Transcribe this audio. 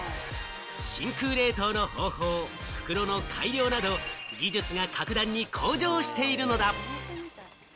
真空冷凍の方法、袋の改良など、技術が格段に向上しているのだ。